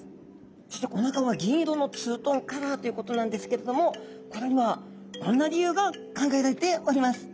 そしておなかは銀色のツートンカラーということなんですけれどもこれにはこんな理由が考えられております。